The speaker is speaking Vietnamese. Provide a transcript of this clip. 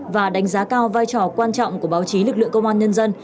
và đánh giá cao vai trò quan trọng của báo chí lực lượng công an nhân dân